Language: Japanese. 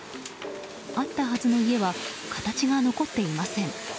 あったはずの家は形が残っていません。